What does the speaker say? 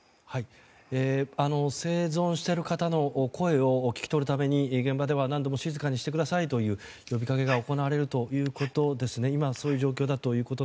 生存している方の声を聞き取るために現場では何度も静かにしてくださいという呼びかけが行われるということですね。